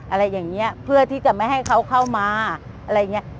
อะไรอย่างเงี้ยเพื่อที่จะไม่ให้เขาเข้ามาอะไรอย่างเงี้ย